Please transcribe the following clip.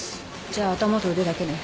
じゃあ頭と腕だけね。